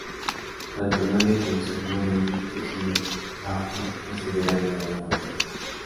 Tanto Nadia como su hermana Lili crecieron bajo la severa mirada materna.